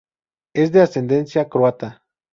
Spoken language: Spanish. Es de ascendencia croata.